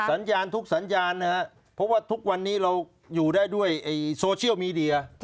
สัญญาณทุกสัญญาณนะครับเพราะว่าทุกวันนี้เราอยู่ได้ด้วยโซเชียลมีเดีย